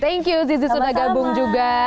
thank you tizzie sudah gabung juga